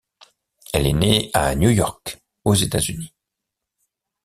Elle est née à New York aux États-Unis.